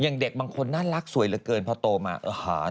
อย่างเด็กบางคนน่ารักสวยเหลือเกินพอโตมาทำไมน่าเปลี่ยนไปขนาดนั้น